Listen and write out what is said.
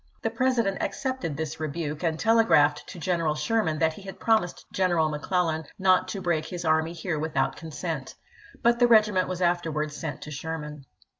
The President accepted this rebuke, and telegraphed to Lincoln to General Sherman that he had promised General o^t^Tisei. McClellan " not to break his army here without his vi., p. 181.' consent." But the regiment was afterwards sent to Sherman.